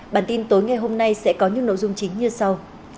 bản tin tối ngày hôm nay sẽ có những nội dung chính như sau